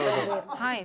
はい。